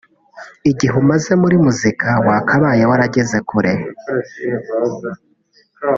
Igihe umaze muri muzika wakabaye warageze kure